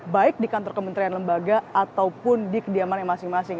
baik di kantor kementerian lembaga ataupun di kediaman yang masing masing